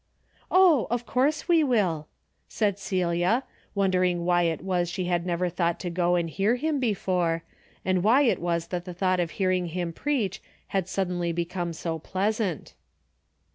" Oh, of course we will," said Celia, w^onder ing why it was she had never thought to go and hear him before, and why it was that the thought of hearing him preach had sud denly become so pleasant.